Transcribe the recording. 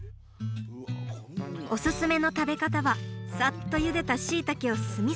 おすすめの食べ方はさっとゆでたしいたけを酢みそで。